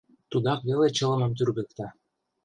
Тудак веле чылымым тӱргыкта.